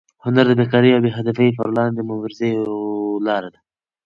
هنر د بېکارۍ او بې هدفۍ پر وړاندې د مبارزې یوه لاره ده.